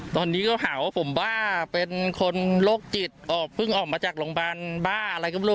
ตอนนี้ก็หาว่าผมบ้าเป็นคนโรคจิตเพิ่งออกมาจากโรงพยาบาลบ้าอะไรก็ไม่รู้